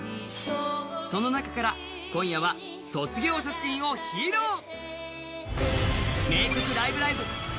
その中から今夜は「卒業写真」を披露。